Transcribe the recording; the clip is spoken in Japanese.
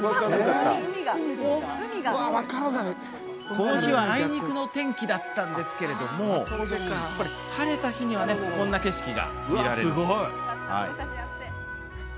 この日はあいにくの天気だったんですが晴れた日にはこんな景色が見られるんです。